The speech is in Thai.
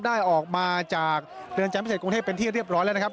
ได้ออกมาจากเรือนจำพิเศษกรุงเทพเป็นที่เรียบร้อยแล้วนะครับ